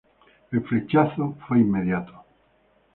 El "flechazo" fue inmediato.